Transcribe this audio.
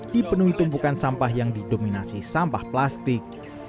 dipenuhi tumpukan sampah yang didominasi sampah plastik